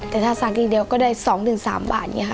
แต่ถ้าซักลีดเดียวก็ได้๒๓บาท